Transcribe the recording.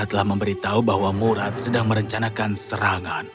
telah memberitahu bahwa murad sedang merencanakan serangan